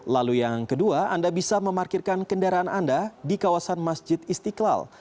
lalu yang kedua anda bisa memarkirkan kendaraan anda di kawasan masjid istiqlal